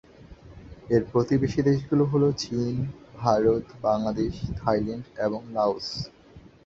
এর প্রতিবেশী দেশগুলো হলো চীন, ভারত, বাংলাদেশ, থাইল্যান্ড এবং লাওস।